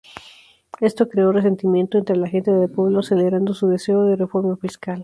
Esto creó resentimiento entre la gente del pueblo, acelerando su deseo de reforma fiscal.